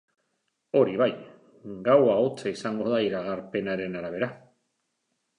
Hori bai, gaua hotza izango da, iragarpenaren arabera.